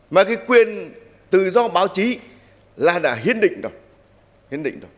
mà cái quyền tự do báo chí là đã hiến định rồi